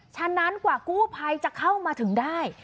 ฉะนั้นกว่ากู้ภัยจะเข้ามาถึงได้